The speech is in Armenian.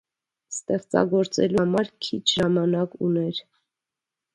Ստեղծագործելու համար քիչ ժամանակ ուներ։